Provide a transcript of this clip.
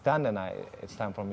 dan ketika itu selesai